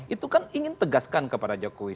itu kan ingin tegaskan kepada jokowi